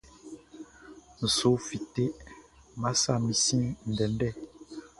N su fite, Nʼma sa min sin ndɛndɛ.